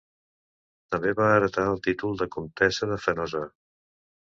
També va heretar el títol de comtessa de Fenosa.